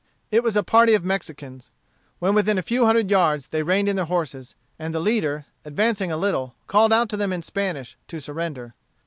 It was a party of Mexicans. When within a few hundred yards they reined in their horses, and the leader, advancing a little, called out to them in Spanish to surrender.